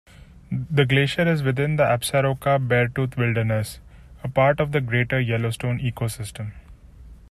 The glacier is within the Absaroka-Beartooth Wilderness, a part of the Greater Yellowstone Ecosystem.